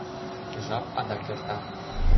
Жап адак эрта.